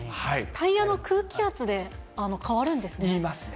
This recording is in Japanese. タイヤの空気圧で変わるんでいいますね。